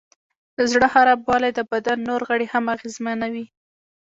د زړه خرابوالی د بدن نور غړي هم اغېزمنوي.